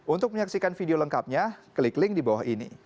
untuk menyaksikan video lengkapnya klik link di bawah ini